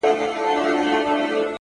• زه به دلته قتل باسم د خپلوانو,